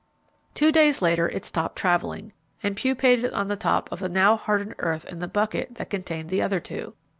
Two days later it stopped travelling, and pupated on the top of the now hardened earth in the bucket that contained the other two.